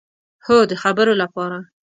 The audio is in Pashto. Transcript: هو، د خبرو لپاره